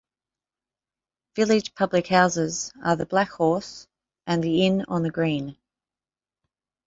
Village public houses are the Black Horse and the Inn on the Green.